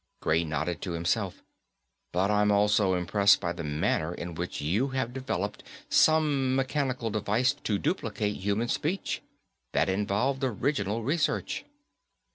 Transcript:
_ Gray nodded to himself. "But I'm also impressed by the manner in which you have developed some mechanical device to duplicate human speech. That involved original research."